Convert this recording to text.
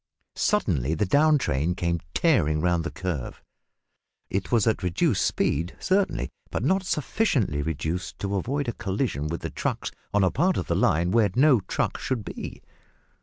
Suddenly the down train came tearing round the curve. It was at reduced speed certainly, but not sufficiently reduced to avoid a collision with the trucks on a part of the line where no trucks should be.